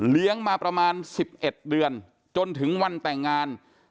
มาประมาณ๑๑เดือนจนถึงวันแต่งงาน